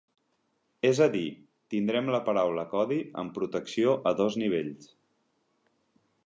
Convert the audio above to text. És a dir, tindrem la paraula codi amb protecció a dos nivells.